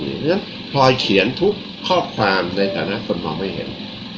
เพราะฉะนั้นพลอยเขียนทุกข้อความในฐานะคนมองไม่เห็น